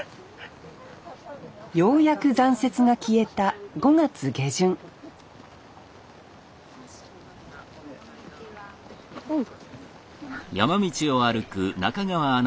ようやく残雪が消えた５月下旬おう。